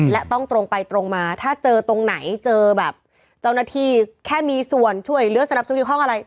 และต้องตรงไปตรงมาถ้าเจอตรงไหนเจอแบบเจ้าหน้าที่แค่มีส่วนช่วยเหลือสนับสนเกี่ยวข้องอะไร